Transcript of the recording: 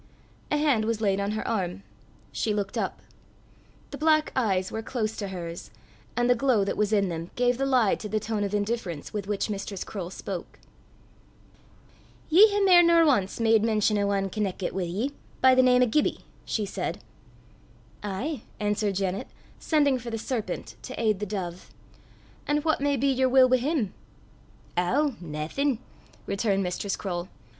A hand was laid on her arm. She looked up. The black eyes were close to hers, and the glow that was in them gave the lie to the tone of indifference with which Mistress Croale spoke. "Ye hae mair nor ance made mention o' ane conneckit wi' ye, by the name o' Gibbie," she said. "Ay," answered Janet, sending for the serpent to aid the dove; "an' what may be yer wull wi' him?" "Ow, naething," returned Mistress Croale.